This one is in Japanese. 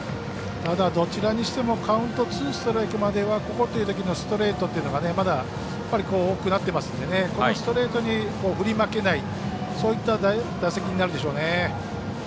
ただ、どちらにしてもカウントツーストライクまではここというときのストレートというのがまだ多くなっていますのでこのストレートに振り負けないそういった打席になるでしょうね。